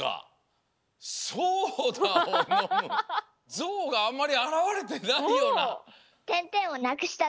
「ゾウ」があんまりあらわれてないような。